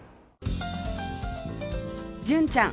純ちゃん